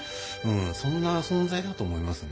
そんな存在だと思いますね。